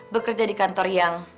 bekerja di kantor yang